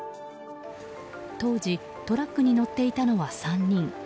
当時トラックに乗っていたのは３人。